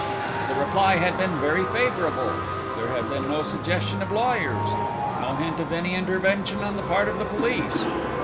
That reply had been very favourable; there had been no suggestion of lawyers; no hint of any intervention on the part of the police.